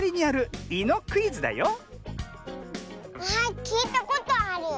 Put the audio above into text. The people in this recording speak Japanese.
あきいたことある。